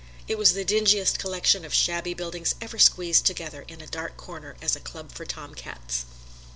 It was the dingiest collection of shabby buildings ever squeezed together in a dark corner as a club for tomcats.